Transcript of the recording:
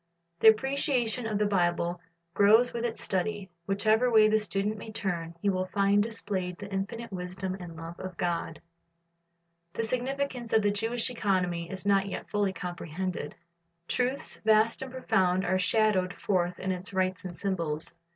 The appreciation of the Bible grows with its study. Whichever way the student may turn, he will find displayed the infinite wisdom and love of God. "Things Nczv a )i d Old'' 133 The significance of the Jewish economy is not yet fully comprehended. Truths vast and profound are shadowed forth in its rites and symbols.